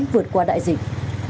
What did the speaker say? vượt qua đại dịch